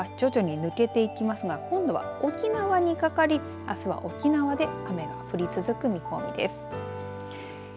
奄美地方からは徐々に抜けていきますが今度は沖縄にかかりあすは沖縄で雨が降り続く見込みです。